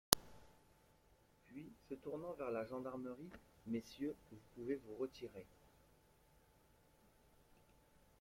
Puis se tournant vers la gendarmerie: — Messieurs, vous pouvez vous retirer.